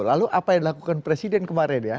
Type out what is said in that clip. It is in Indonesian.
lalu apa yang dilakukan presiden kemarin ya